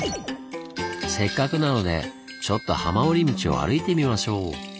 せっかくなのでちょっと浜下り道を歩いてみましょう。